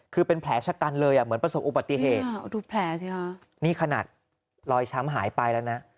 คือเป็นแผลชะกันเลยอ่ะเหมือนประสบอุบัติเหตุดูแผลสิคะนี่ขนาดรอยช้ำหายไปแล้วนะ